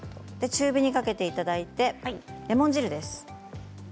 中火にかけていただいてレモン汁です。